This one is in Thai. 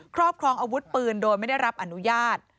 ครอบครองอาวุธปืนโดยไม่ได้รับอนุญาต